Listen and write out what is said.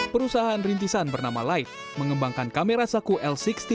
perusahaan rintisan bernama live mengembangkan kamera saku l enam puluh